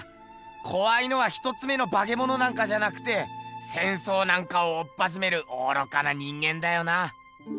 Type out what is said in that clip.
こわいのは一つ目のバケモノなんかじゃなくて戦争なんかをおっぱじめる愚かな人間だよな。